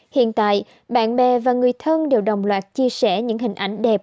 hiện tại bạn bè và người thân đều đồng loạt chia sẻ những hình ảnh đẹp